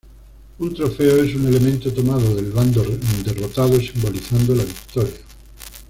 Un trofeo es un elemento tomado del bando derrotado simbolizando la victoria.